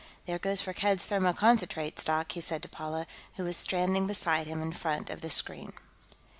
"There goes Firkked's thermoconcentrate stock," he said to Paula, who was standing beside him in front of the screen.